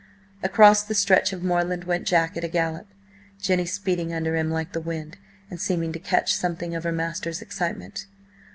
Across the stretch of moorland went Jack at a gallop, Jenny speeding under him like the wind, and seeming to catch something of her master's excitement.